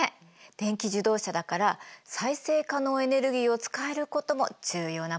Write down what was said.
電気自動車だから再生可能エネルギーを使えることも重要なポイントの一つよね。